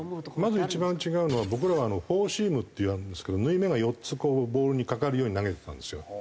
まず一番違うのは僕らはフォーシームってやるんですけど縫い目が４つボールにかかるように投げてたんですよ。